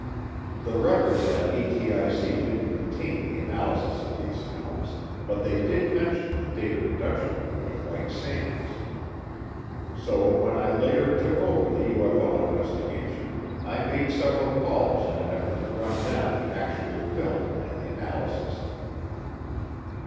The records at ATIC didn't contain the analysis of these films but they did mention the Data Reduction Group at White Sands. So when I later took over the UFO investigation I made several calls in an effort to run down the actual film and the analysis.